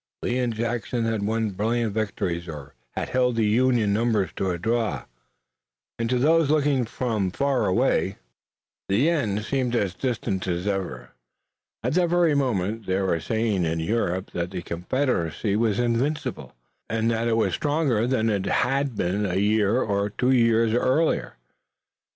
Lee and Jackson had won brilliant victories or had held the Union numbers to a draw, and to those looking from far away the end seemed as distant as ever. At that very moment, they were saying in Europe that the Confederacy was invincible, and that it was stronger than it had been a year or two years earlier.